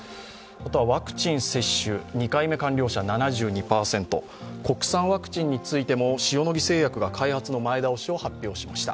あとはワクチン接種、２回目完了者７２％、国産ワクチンについても塩野義製薬が開発の前倒しを発表しました。